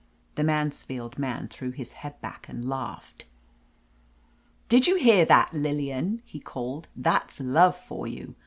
The Mansfield man threw back his head and laughed. "Did you hear that, Lillian?" he called. "That's love for you!